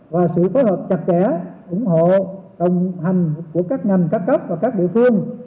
và sự phối hợp chặt chẽ ủng hộ đồng hành của các ngành các cấp và các địa phương